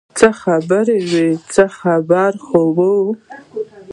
څه خبره وه خیر خو و.